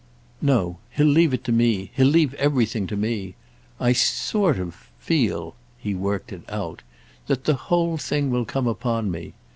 "No—he'll leave it to me, he'll leave everything to me. I 'sort of' feel"—he worked it out—"that the whole thing will come upon me.